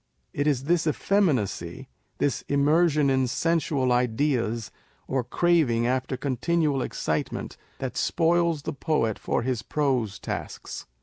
It is this effeminacy, this immersion in sensual ideas, or craving after continual excitement that spoils the poet for his prose tasks.